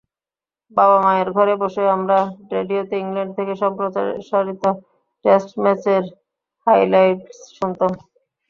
বাবা-মায়ের ঘরে বসে আমরা রেডিওতে ইংল্যান্ড থেকে সম্প্রচারিত টেস্ট ম্যাচের হাইলাইটস শুনতাম।